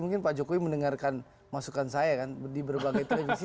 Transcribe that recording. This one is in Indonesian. mungkin pak jokowi mendengarkan masukan saya kan di berbagai televisi